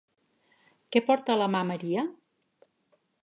Què porta a la mà Maria?